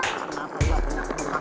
tadi mau minta anjarin pulang